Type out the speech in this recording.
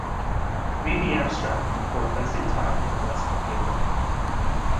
Read the abstract before investing time in the rest of the paper.